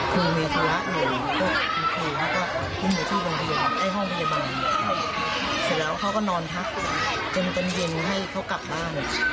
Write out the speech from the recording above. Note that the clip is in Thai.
เกินเต็มเย็นให้เขากลับบ้าน